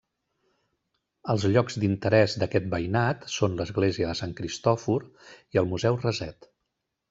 Els llocs d'interès d'aquest veïnat són l'església de Sant Cristòfor i el Museu Raset.